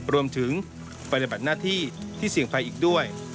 รวมถึงประดับหน้าที่ที่เสี่ยงภัยอีกด้วย